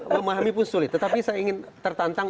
memahami pun sulit tetapi saya ingin tertantang